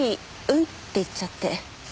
「うん」って言っちゃって。